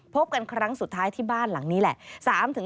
พบกันครั้งสุดท้ายที่บ้านหลังนี้แหละ